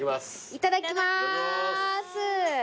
いただきます。